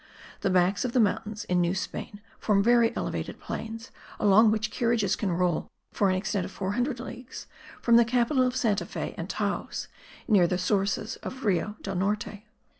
The backs of the mountains in New Spain form very elevated plains, along which carriages can roll for an extent of 400 leagues, from the capital to Santa Fe and Taos, near the sources of Rio del Norte.